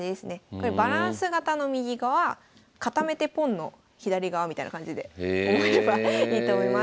これバランス型の右側固めてポンの左側みたいな感じで覚えればいいと思います。